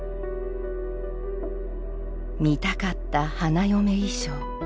「見たかった花嫁衣装。